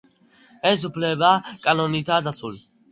ეს უფლება კანონითაა დაცული.